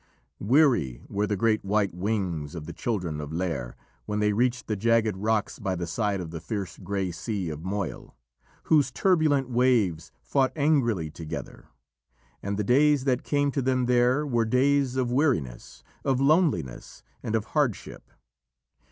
Weary were the great white wings of the children of Lîr when they reached the jagged rocks by the side of the fierce grey sea of Moyle, whose turbulent waves fought angrily together. And the days that came to them there were days of weariness, of loneliness, and of hardship.